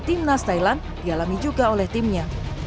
timnas thailand dialami juga oleh timnya